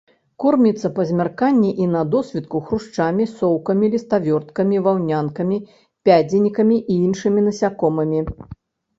Корміцца па змярканні і на досвітку хрушчамі, соўкамі, ліставёрткамі, ваўнянкамі, пядзенікамі і іншымі насякомымі.